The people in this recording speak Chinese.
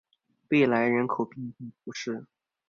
贝莱人口变化图示